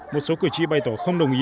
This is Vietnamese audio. một số cử tri bày tỏ không đồng ý